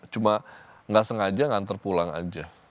cuma enggak sengaja nganter pulang aja